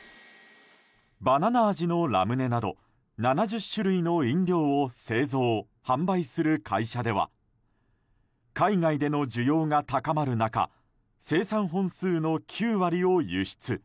バナナ味のラムネなど７０種類の飲料を製造・販売する会社では海外での需要が高まる中生産本数の９割を輸出。